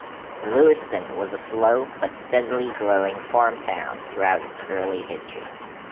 Lewiston was a slow but steadily growing farm town throughout its early history.